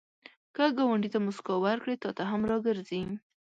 که ګاونډي ته مسکا ورکړې، تا ته هم راګرځي